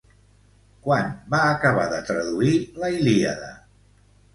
Quan va acabar de traduir la Ilíada?